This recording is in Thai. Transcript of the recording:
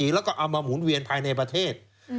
แล้วก็เอามาหมุนเวียนภายในประเทศ